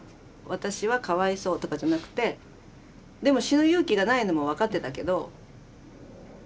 私はかわいそうとかじゃなくてでも死ぬ勇気がないのも分かってたけど。